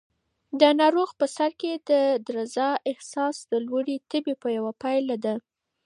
د ناروغ په سر کې د درزا احساس د لوړې تبې یوه پایله ده.